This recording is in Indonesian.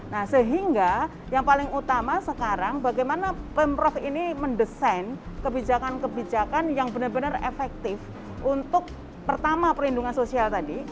nah sehingga yang paling utama sekarang bagaimana pemprov ini mendesain kebijakan kebijakan yang benar benar efektif untuk pertama perlindungan sosial tadi